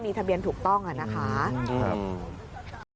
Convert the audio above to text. มีทะเบียนถูกต้องอะนะคะนะครับอืม